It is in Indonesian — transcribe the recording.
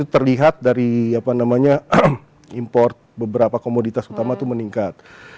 terlihat dari apa namanya import beberapa komoditas utama itu meningkat